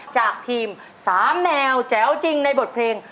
จากทีม๓แนวแจ๋วจริงในบทเพลง